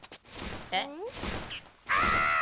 えっ？